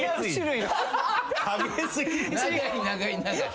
長い長い長い。